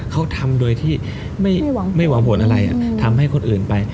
เขาทำโดยที่ไม่หวังผลอะไรทำให้คนอื่นไป